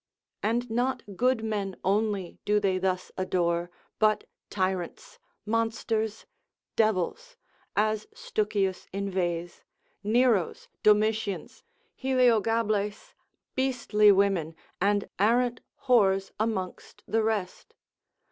And not good men only do they thus adore, but tyrants, monsters, devils, (as Stuckius inveighs) Neros, Domitians, Heliogables, beastly women, and arrant whores amongst the rest.